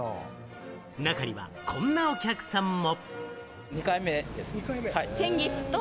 中には、こんなお客さんも。